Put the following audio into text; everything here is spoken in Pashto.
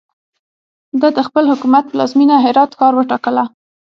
ده د خپل حکومت پلازمینه هرات ښار وټاکله.